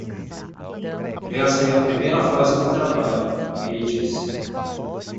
"Esta é a primeira fase do trabalho?" ele disse.